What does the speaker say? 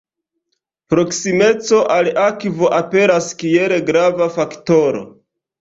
Proksimeco al akvo aperas kiel grava faktoro.